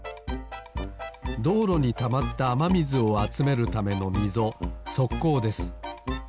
どうろにたまったあまみずをあつめるためのみぞそっこうです。